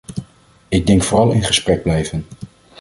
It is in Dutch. Ik denk vooral in gesprek blijven.